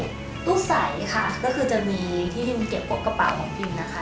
ตู้ใสค่ะก็คือจะมีที่พิมเก็บกดกระเป๋าของพิมนะคะ